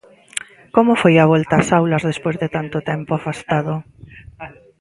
Como foi a volta ás aulas despois de tanto tempo afastado?